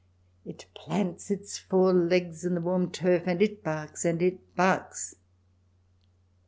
It plants its four legs in the warm turf, and it barks, and it barks.